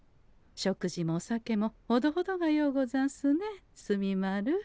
食事もお酒もほどほどがようござんすね墨丸。